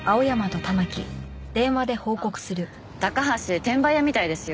ああ高橋転売屋みたいですよ。